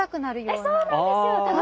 そうなんですよ。